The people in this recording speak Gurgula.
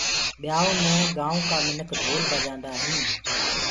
ٻيآئوٚ مي گآئونٚ ڪآ منک ڍول بجآندآ هينٚ۔